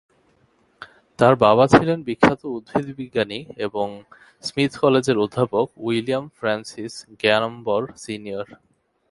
তার বাবা ছিলেন বিখ্যাত উদ্ভিদ বিজ্ঞানী এবং স্মিথ কলেজের অধ্যাপক উইলিয়াম ফ্রান্সিস গ্যানম্বর সিনিয়র।